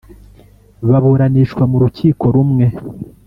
baburanishwa mu rukiko rumwe